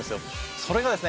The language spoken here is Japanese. それがですね